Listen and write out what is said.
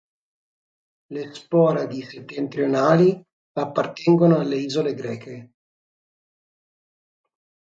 Le Sporadi Settentrionali appartengono alle isole greche.